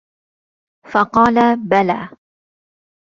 فَقَالَ بَلَى